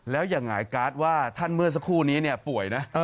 แล้วอย่างหงายการ์ดว่าท่านเมื่อสักครู่นี้ป่วยนะ